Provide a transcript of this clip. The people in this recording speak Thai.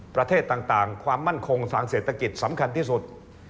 ประเทศต่างความมั่นคงทางเศรษฐกิจสำคัญที่สุด